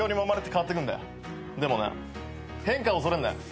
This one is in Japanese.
でもな変化を恐れんな。